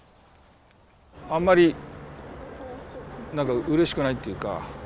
あんまりうれしくないっていうか。